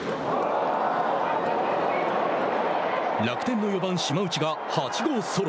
楽天の４番島内が８号ソロ。